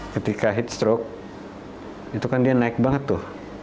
ketika heat stroke itu kan dia naik banget tuh